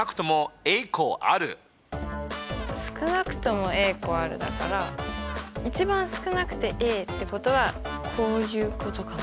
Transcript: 少なくとも個あるだから一番少なくてってことはこういうことかな。